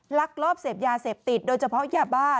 ลักลอบเสพยาเสพติดโดยเฉพาะยาบ้า